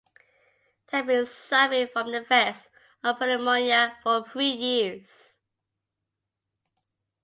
He had been suffering from the effects of pneumonia for three years.